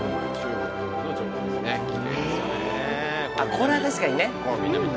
これは確かにね。